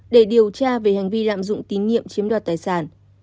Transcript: để điều tra về hành vi lạm dụng tín nhiệm chiếm đoạt tài sản